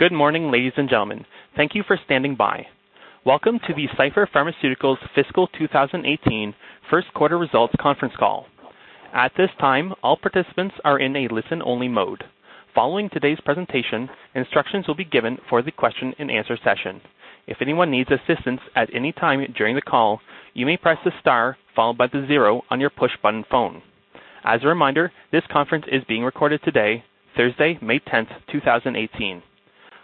Good morning, ladies and gentlemen. Thank you for standing by. Welcome to the Cipher Pharmaceuticals Fiscal 2018 first quarter results conference call. At this time, all participants are in a listen-only mode. Following today's presentation, instructions will be given for the question-and-answer session. If anyone needs assistance at any time during the call, you may press the star followed by the zero on your push-button phone. As a reminder, this conference is being recorded today, Thursday, May 10th, 2018.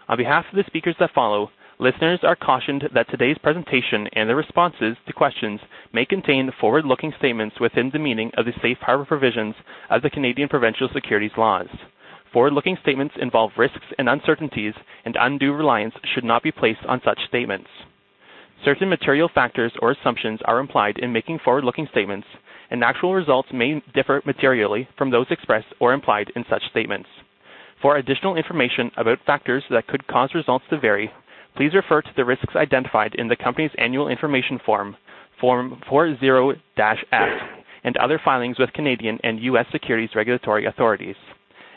On behalf of the speakers that follow, listeners are cautioned that today's presentation and the responses to questions may contain forward-looking statements within the meaning of the safe harbor provisions of the Canadian Provincial Securities Laws. Forward-looking statements involve risks and uncertainties, and undue reliance should not be placed on such statements. Certain material factors or assumptions are implied in making forward-looking statements, and actual results may differ materially from those expressed or implied in such statements. For additional information about factors that could cause results to vary, please refer to the risks identified in the company's Annual Information Form, Form 40-F, and other filings with Canadian and U.S. securities regulatory authorities.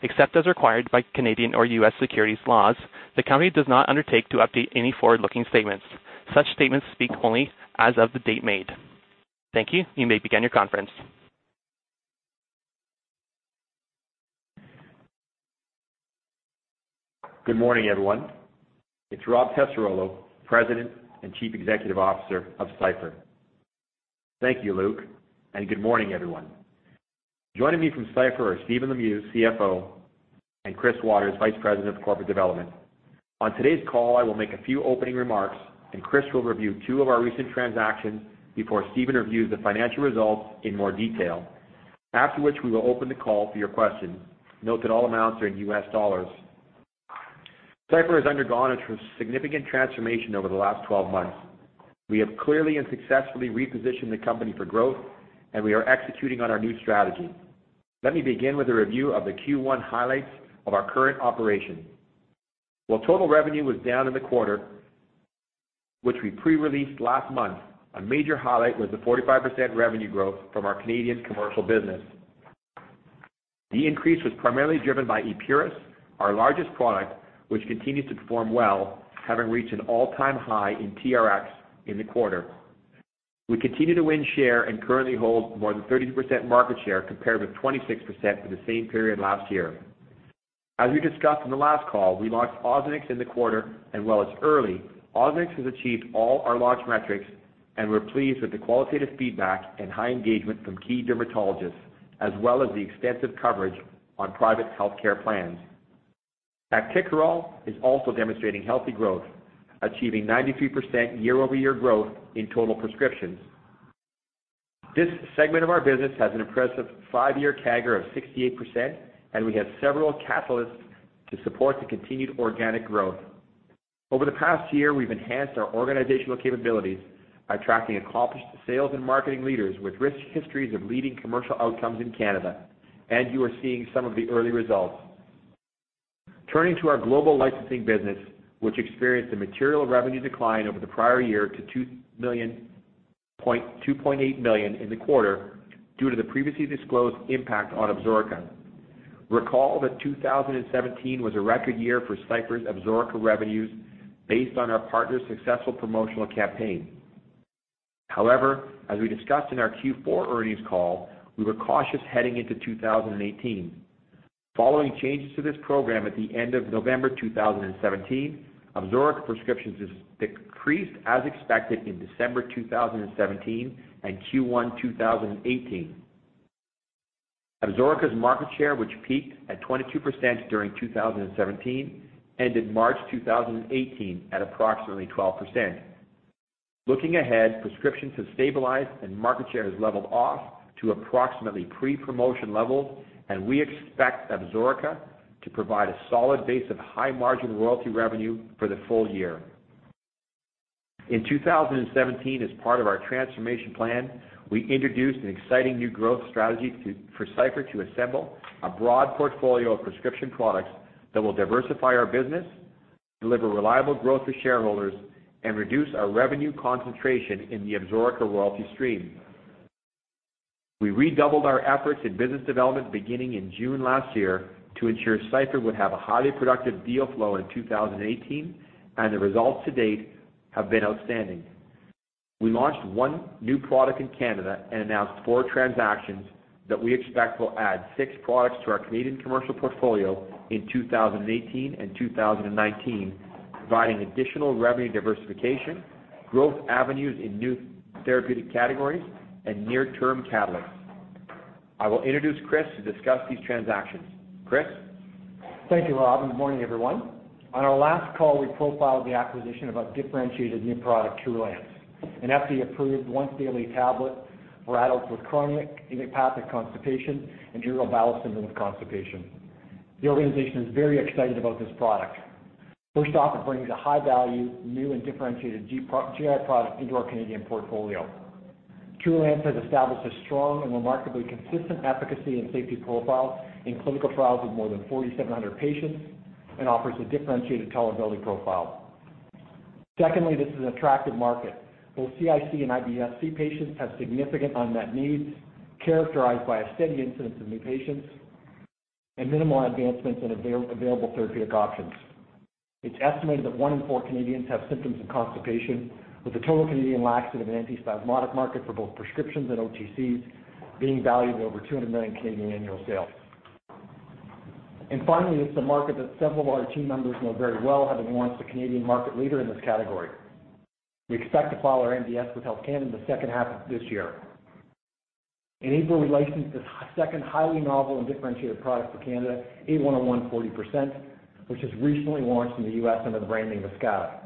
Except as required by Canadian or U.S. securities laws, the company does not undertake to update any forward-looking statements. Such statements speak only as of the date made. Thank you. You may begin your conference. Good morning, everyone. It's Robert Tessarolo, President and Chief Executive Officer of Cipher. Thank you, Luke, and good morning, everyone. Joining me from Cipher are Stephen Lemieux, CFO, and Chris Watters, Vice President of Corporate Development. On today's call, I will make a few opening remarks, and Chris will review two of our recent transactions before Stephen reviews the financial results in more detail, after which we will open the call for your questions. Note that all amounts are in U.S. dollars. Cipher has undergone a significant transformation over the last 12 months. We have clearly and successfully repositioned the company for growth, and we are executing on our new strategy. Let me begin with a review of the Q1 highlights of our current operation. While total revenue was down in the quarter, which we pre-released last month, a major highlight was the 45% revenue growth from our Canadian commercial business. The increase was primarily driven by Epuris, our largest product, which continues to perform well, having reached an all-time high in TRx in the quarter. We continue to win share and currently hold more than 30% market share compared with 26% for the same period last year. As we discussed in the last call, we launched OZANEX in the quarter, and while it's early, OZANEX has achieved all our launch metrics, and we're pleased with the qualitative feedback and high engagement from key dermatologists, as well as the extensive coverage on private healthcare plans. Actikerall is also demonstrating healthy growth, achieving 93% year-over-year growth in total prescriptions. This segment of our business has an impressive five-year CAGR of 68%, and we have several catalysts to support the continued organic growth. Over the past year, we've enhanced our organizational capabilities by attracting accomplished sales and marketing leaders with rich histories of leading commercial outcomes in Canada, and you are seeing some of the early results. Turning to our global licensing business, which experienced a material revenue decline over the prior year to 2.8 million in the quarter due to the previously disclosed impact on Absorica. Recall that 2017 was a record year for Cipher's Absorica revenues based on our partner's successful promotional campaign. However, as we discussed in our Q4 earnings call, we were cautious heading into 2018. Following changes to this program at the end of November 2017, Absorica prescriptions decreased as expected in December 2017 and Q1 2018. Absorica's market share, which peaked at 22% during 2017, ended March 2018 at approximately 12%. Looking ahead, prescriptions have stabilized and market share has leveled off to approximately pre-promotion levels, and we expect Absorica to provide a solid base of high-margin royalty revenue for the full year. In 2017, as part of our transformation plan, we introduced an exciting new growth strategy for Cipher to assemble a broad portfolio of prescription products that will diversify our business, deliver reliable growth for shareholders, and reduce our revenue concentration in the Absorica royalty stream. We redoubled our efforts in business development beginning in June last year to ensure Cipher would have a highly productive deal flow in 2018, and the results to date have been outstanding. We launched one new product in Canada and announced four transactions that we expect will add six products to our Canadian commercial portfolio in 2018 and 2019, providing additional revenue diversification, growth avenues in new therapeutic categories, and near-term catalysts. I will introduce Chris to discuss these transactions. Chris? Thank you, Rob. Good morning, everyone. On our last call, we profiled the acquisition of a differentiated new product, TRULANCE, an FDA-approved once-daily tablet for adults with chronic idiopathic constipation and irritable bowel syndrome with constipation. The organization is very excited about this product. First off, it brings a high-value, new, and differentiated GI product into our Canadian portfolio. TRULANCE has established a strong and remarkably consistent efficacy and safety profile in clinical trials with more than 4,700 patients and offers a differentiated tolerability profile. Secondly, this is an attractive market. Both CIC and IBS-C patients have significant unmet needs characterized by a steady incidence of new patients and minimal advancements in available therapeutic options. It's estimated that one in four Canadians have symptoms of constipation, with the total Canadian laxative and antispasmodic market for both prescriptions and OTCs being valued at over 200 million annual sales. Finally, it's a market that several of our team members know very well, having launched a Canadian market leader in this category. We expect to follow our NDS with Health Canada in the second half of this year. In April, we licensed the second highly novel and differentiated product for Canada, A-101 40%, which has recently launched in the U.S. under the brand name of ESKATA.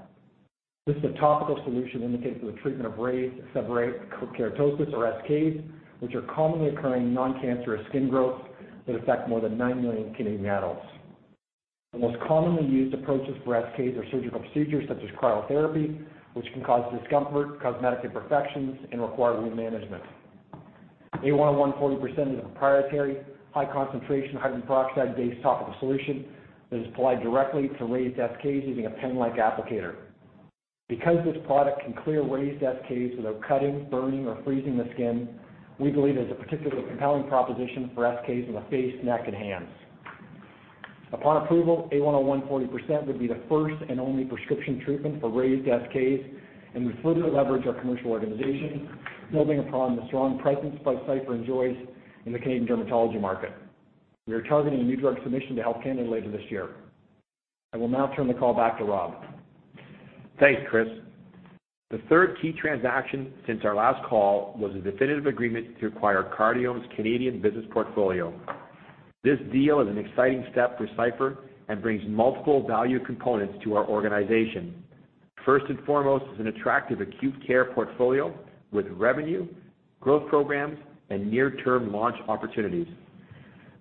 This is a topical solution indicated for the treatment of raised seborrheic keratosis, or SKs, which are commonly occurring non-cancerous skin growths that affect more than nine million Canadian adults. The most commonly used approaches for SKs are surgical procedures such as cryotherapy, which can cause discomfort, cosmetic imperfections, and require wound management. A-101 40% is a proprietary, high-concentration hydrogen peroxide-based topical solution that is applied directly to raised SKs using a pen-like applicator. Because this product can clear raised SKs without cutting, burning, or freezing the skin, we believe it is a particularly compelling proposition for SKs on the face, neck, and hands. Upon approval, A-101 40% would be the first and only prescription treatment for raised SKs, and we further leverage our commercial organization, building upon the strong presence Cipher enjoys in the Canadian dermatology market. We are targeting a New Drug Submission to Health Canada later this year. I will now turn the call back to Rob. Thanks, Chris. The third key transaction since our last call was a definitive agreement to acquire Cardiome's Canadian business portfolio. This deal is an exciting step for Cipher and brings multiple value components to our organization. First and foremost, it's an attractive acute care portfolio with revenue, growth programs, and near-term launch opportunities.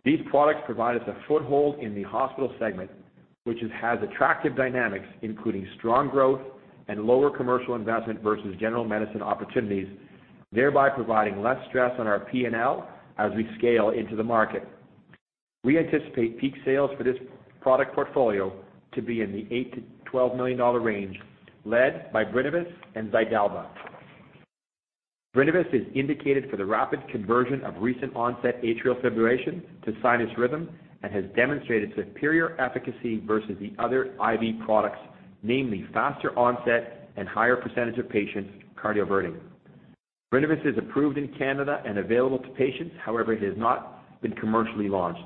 These products provide us a foothold in the hospital segment, which has attractive dynamics, including strong growth and lower commercial investment versus general medicine opportunities, thereby providing less stress on our P&L as we scale into the market. We anticipate peak sales for this product portfolio to be in the 8 million-12 million dollar range, led by Brinavess and Xydalba. Brinavess is indicated for the rapid conversion of recent onset atrial fibrillation to sinus rhythm and has demonstrated superior efficacy versus the other IV products, namely faster onset and higher percentage of patients cardioverting. Brinavess is approved in Canada and available to patients. However, it has not been commercially launched.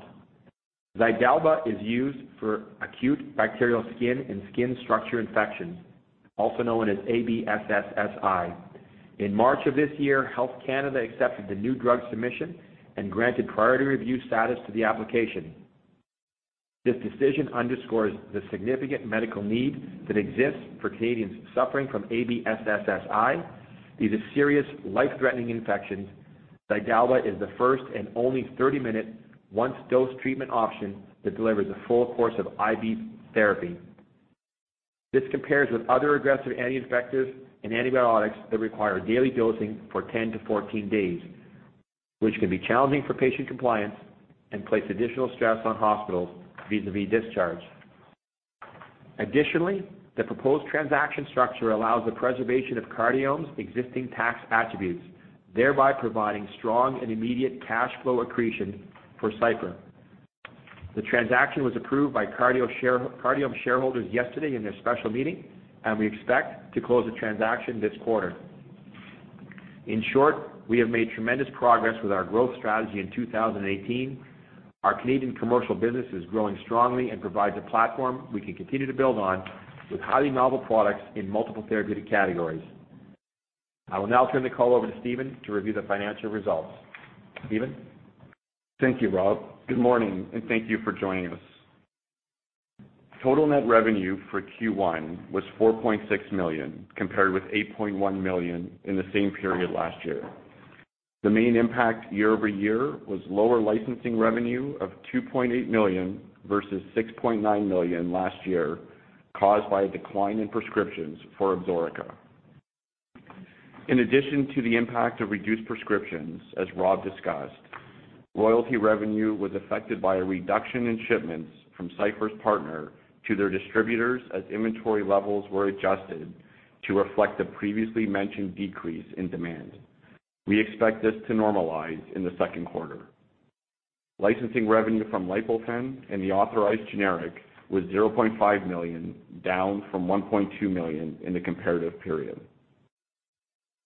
Xydalba is used for acute bacterial skin and skin structure infections, also known as ABSSSI. In March of this year, Health Canada accepted the New Drug Submission and granted priority review status to the application. This decision underscores the significant medical need that exists for Canadians suffering from ABSSSI. These are serious, life-threatening infections. Xydalba is the first and only 30-minute, once-dose treatment option that delivers a full course of IV therapy. This compares with other aggressive anti-infectives and antibiotics that require daily dosing for 10-14 days, which can be challenging for patient compliance and place additional stress on hospitals vis-à-vis discharge. Additionally, the proposed transaction structure allows the preservation of Cardiome's existing tax attributes, thereby providing strong and immediate cash flow accretion for Cipher. The transaction was approved by Cardiome shareholders yesterday in their special meeting, and we expect to close the transaction this quarter. In short, we have made tremendous progress with our growth strategy in 2018. Our Canadian commercial business is growing strongly and provides a platform we can continue to build on with highly novel products in multiple therapeutic categories. I will now turn the call over to Stephen to review the financial results. Stephen? Thank you, Rob. Good morning, and thank you for joining us. Total net revenue for Q1 was 4.6 million, compared with 8.1 million in the same period last year. The main impact year-over-year was lower licensing revenue of 2.8 million versus 6.9 million last year, caused by a decline in prescriptions for Absorica. In addition to the impact of reduced prescriptions, as Rob discussed, royalty revenue was affected by a reduction in shipments from Cipher's partner to their distributors as inventory levels were adjusted to reflect the previously mentioned decrease in demand. We expect this to normalize in the second quarter. Licensing revenue from Lipofen and the authorized generic was 0.5 million, down from 1.2 million in the comparative period.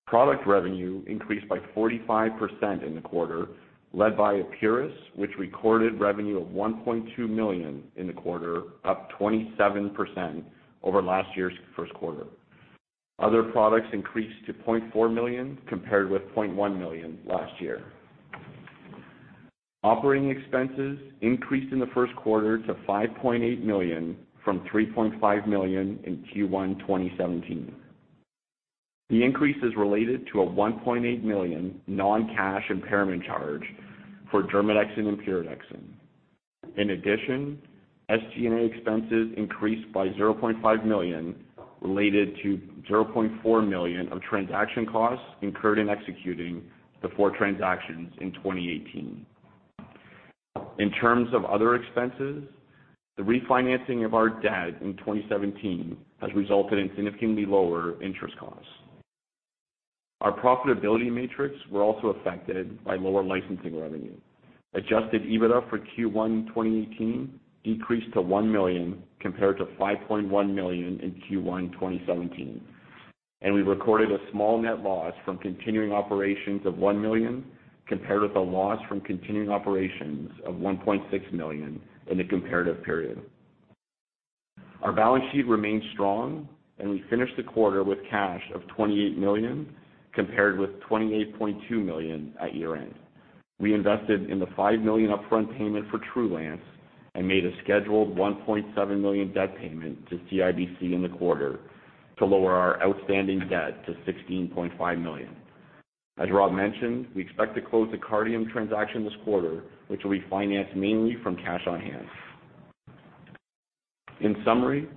Product revenue increased by 45% in the quarter, led by Epuris, which recorded revenue of 1.2 million in the quarter, up 27% over last year's first quarter. Other products increased to 0.4 million, compared with 0.1 million last year. Operating expenses increased in the first quarter to 5.8 million from 3.5 million in Q1 2017. The increase is related to a 1.8 million non-cash impairment charge for Dermadexin and Pruridexin. In addition, SG&A expenses increased by 0.5 million, related to 0.4 million of transaction costs incurred in executing the four transactions in 2018. In terms of other expenses, the refinancing of our debt in 2017 has resulted in significantly lower interest costs. Our profitability matrix was also affected by lower licensing revenue. Adjusted EBITDA for Q1 2018 decreased to 1 million, compared to 5.1 million in Q1 2017, and we recorded a small net loss from continuing operations of 1 million, compared with a loss from continuing operations of 1.6 million in the comparative period. Our balance sheet remained strong, and we finished the quarter with cash of 28 million, compared with 28.2 million at year-end. We invested in the 5 million upfront payment for TRULANCE and made a scheduled 1.7 million debt payment to CIBC in the quarter to lower our outstanding debt to 16.5 million. As Rob mentioned, we expect to close the Cardiome transaction this quarter, which will be financed mainly from cash on hand. In summary,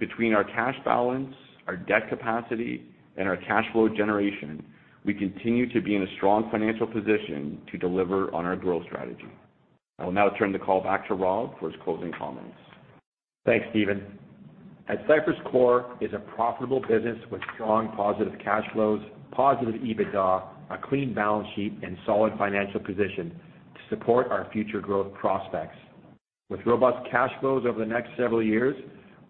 between our cash balance, our debt capacity, and our cash flow generation, we continue to be in a strong financial position to deliver on our growth strategy. I will now turn the call back to Rob for his closing comments. Thanks, Stephen. At Cipher's core, it's a profitable business with strong positive cash flows, positive EBITDA, a clean balance sheet, and solid financial position to support our future growth prospects. With robust cash flows over the next several years,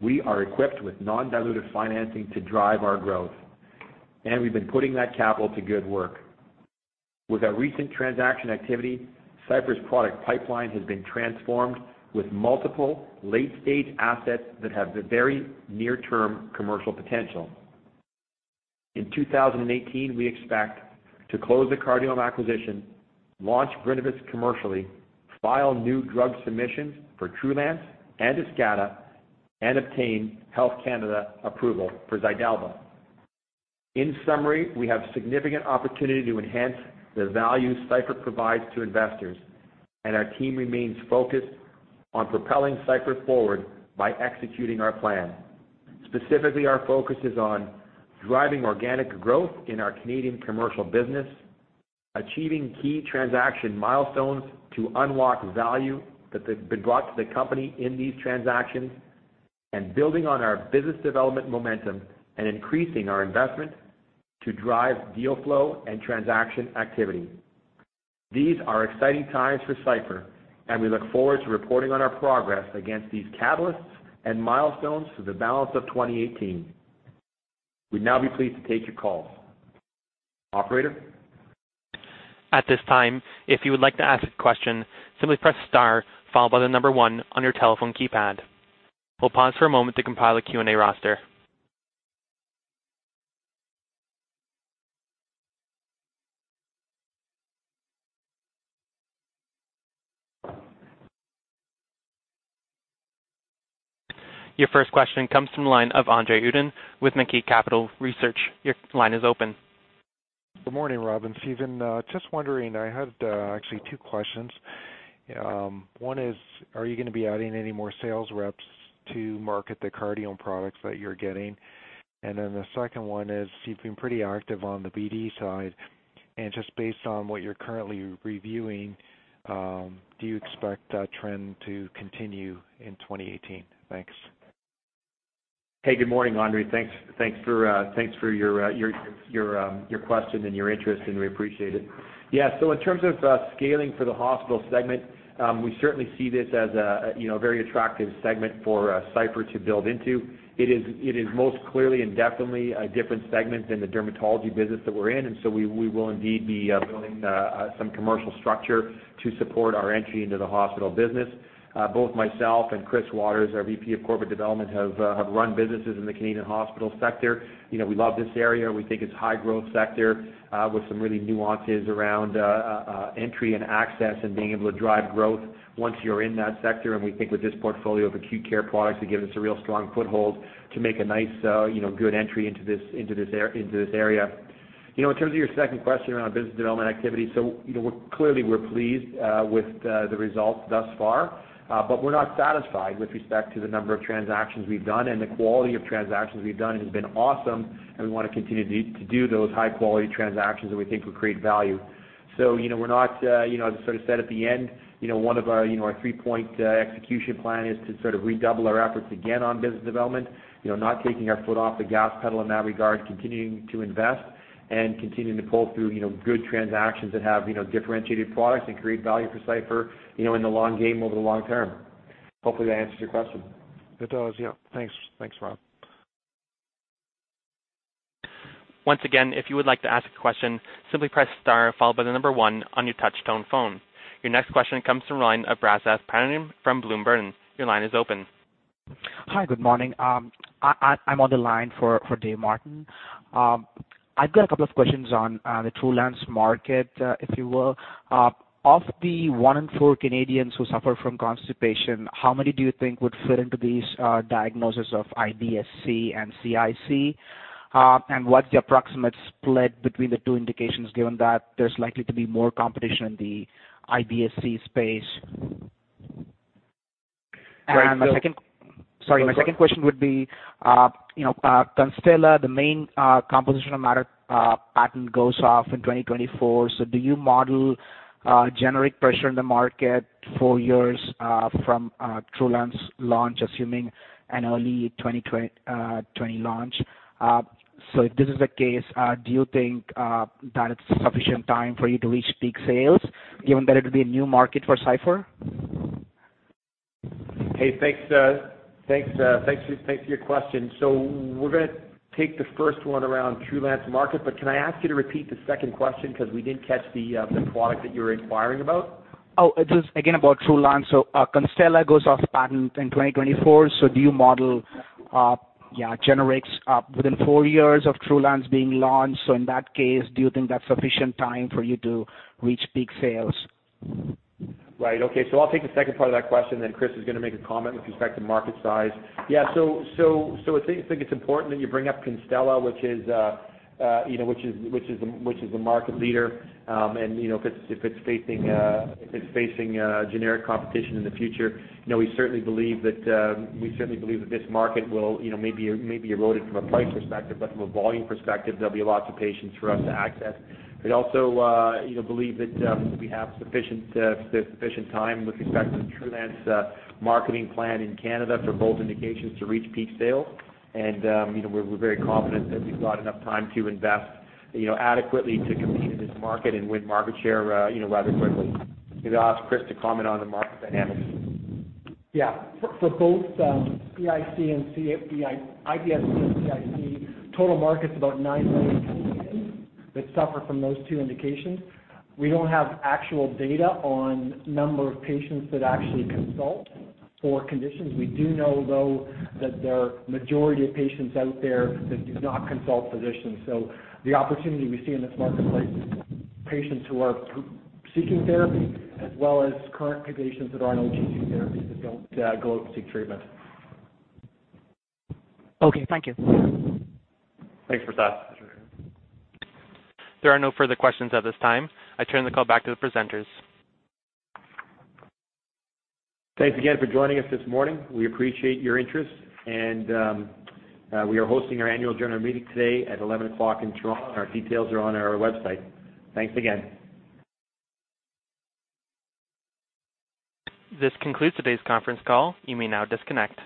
we are equipped with non-dilutive financing to drive our growth, and we've been putting that capital to good work. With our recent transaction activity, Cipher's product pipeline has been transformed with multiple late-stage assets that have very near-term commercial potential. In 2018, we expect to close the Cardiome acquisition, launch Brinavess commercially, file New Drug Submissions for TRULANCE and ESKATA, and obtain Health Canada approval for Xydalba. In summary, we have significant opportunity to enhance the value Cipher provides to investors, and our team remains focused on propelling Cipher forward by executing our plan. Specifically, our focus is on driving organic growth in our Canadian commercial business, achieving key transaction milestones to unlock value that has been brought to the company in these transactions, and building on our business development momentum and increasing our investment to drive deal flow and transaction activity. These are exciting times for Cipher, and we look forward to reporting on our progress against these catalysts and milestones for the balance of 2018. We'd now be pleased to take your call. Operator? At this time, if you would like to ask a question, simply press star, followed by the number one on your telephone keypad. We'll pause for a moment to compile a Q&A roster. Your first question comes from the line of André Uddin with Mackie Research Capital. Your line is open. Good morning, Rob. And Stephen, just wondering, I had actually two questions. One is, are you going to be adding any more sales reps to market the Cardiome products that you're getting? And then the second one is, you've been pretty active on the BD side. And just based on what you're currently reviewing, do you expect that trend to continue in 2018? Thanks. Hey, good morning, André. Thanks for your question and your interest, and we appreciate it. Yeah, so in terms of scaling for the hospital segment, we certainly see this as a very attractive segment for Cipher to build into. It is most clearly and definitely a different segment than the dermatology business that we're in, and so we will indeed be building some commercial structure to support our entry into the hospital business. Both myself and Chris Watters, our Vice President of Corporate Development, have run businesses in the Canadian hospital sector. We love this area. We think it's a high-growth sector with some real nuances around entry and access and being able to drive growth once you're in that sector. We think with this portfolio of acute care products, it gives us a real strong foothold to make a nice, good entry into this area. In terms of your second question around business development activity, so clearly we're pleased with the results thus far, but we're not satisfied with respect to the number of transactions we've done. And the quality of transactions we've done has been awesome, and we want to continue to do those high-quality transactions that we think will create value. So we're not, as I sort of said at the end, one of our three-point execution plan is to sort of redouble our efforts again on business development, not taking our foot off the gas pedal in that regard, continuing to invest, and continuing to pull through good transactions that have differentiated products and create value for Cipher in the long game, over the long term. Hopefully, that answers your question. It does, yeah. Thanks, Rob. Once again, if you would like to ask a question, simply press star, followed by the number one on your touch-tone phone. Your next question comes from Ryan Abezgauz from Bloom Burton. Your line is open. Hi, good morning. I'm on the line for David Martin. I've got a couple of questions on the TRULANCE market, if you will. Of the one in four Canadians who suffer from constipation, how many do you think would fit into these diagnoses of IBS-C and CIC? And what's the approximate split between the two indications, given that there's likely to be more competition in the IBS-C space? My second. Sorry, my second question would be, Constella, the main composition of matter patent goes off in 2024. So do you model generic pressure in the market four years from TRULANCE launch, assuming an early 2020 launch? So if this is the case, do you think that it's sufficient time for you to reach peak sales, given that it would be a new market for Cipher? Hey, thanks for your question. So we're going to take the first one around TRULANCE market, but can I ask you to repeat the second question because we didn't catch the product that you were inquiring about? Oh, it was again about TRULANCE. So Constella goes off patent in 2024, so do you model generics within four years of TRULANCE being launched? So in that case, do you think that's sufficient time for you to reach peak sales? Right, okay. So I'll take the second part of that question, and then Chris is going to make a comment with respect to market size. Yeah, so I think it's important that you bring up Constella, which is the market leader, and if it's facing generic competition in the future, we certainly believe that this market will maybe erode it from a price perspective, but from a volume perspective, there'll be lots of patients for us to access. We also believe that we have sufficient time with respect to the TRULANCE marketing plan in Canada for both indications to reach peak sales, and we're very confident that we've got enough time to invest adequately to compete in this market and win market share rather quickly. Maybe I'll ask Chris to comment on the market dynamics. Yeah. For both CIC and IBS-C and CIC, total market's about nine million Canadians that suffer from those two indications. We don't have actual data on number of patients that actually consult for conditions. We do know, though, that there are a majority of patients out there that do not consult physicians. So the opportunity we see in this marketplace is patients who are seeking therapy, as well as current patients that are on OTC therapies that don't go out and seek treatment. Okay, thank you. Thanks for that. There are no further questions at this time. I turn the call back to the presenters. Thanks again for joining us this morning. We appreciate your interest, and we are hosting our annual general meeting today at 11:00 A.M. in Toronto. Our details are on our website. Thanks again. This concludes today's conference call. You may now disconnect.